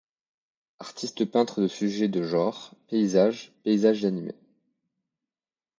Artiste peintre de sujets de genre, paysages, paysages animés.